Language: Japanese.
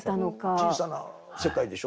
小さな世界でしょ。